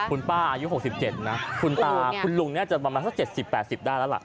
คุณป้าอายุหกสิบเจ็ดนะคุณตาคุณลุงเนี้ยจะมามาสักเจ็ดสิบแปดสิบได้แล้วล่ะ